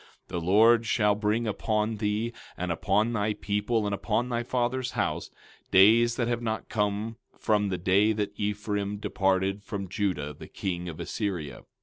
17:17 The Lord shall bring upon thee, and upon thy people, and upon thy father's house, days that have not come from the day that Ephraim departed from Judah, the king of Assyria.